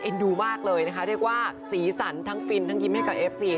ดูมากเลยนะคะเรียกว่าสีสันทั้งฟินทั้งยิ้มให้กับเอฟซี